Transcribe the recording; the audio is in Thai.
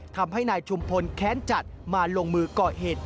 ทำให้นายชุมพลแค้นจัดมาลงมือก่อเหตุ